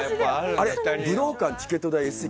武道館のチケット代のＳ